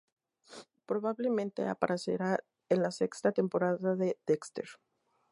Probablemente aparecerá en la sexta temporada de Dexter.